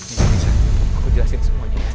iya nisa aku jelasin semuanya